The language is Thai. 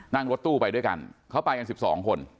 นั่งรถตู้ไปด้วยกันเขาไปกัน๑๒คน